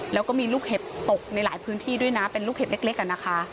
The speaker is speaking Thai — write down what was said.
แล้วก็มีลูกเห็บตกในหลายพื้นที่ด้วยนะเป็นลูกเห็บเล็กอะนะคะ